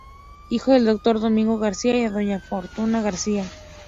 Hijo del doctor Domingo García y de doña Fortunata García.